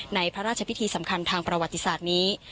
พระราชพิธีสำคัญทางประวัติศาสตร์นี้